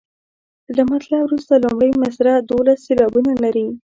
له مطلع وروسته لومړۍ مصرع دولس سېلابونه لري.